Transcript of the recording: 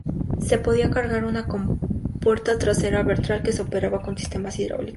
Se podía cargar por una compuerta trasera ventral que se operaba con sistemas hidráulicos.